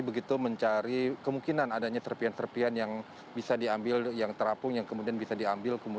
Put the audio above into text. begitu mencari kemungkinan adanya serpian serpian yang bisa diambil yang terapung yang kemudian bisa diambil